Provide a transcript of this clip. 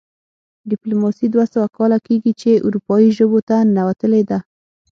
ډیپلوماسي دوه سوه کاله کیږي چې اروپايي ژبو ته ننوتلې ده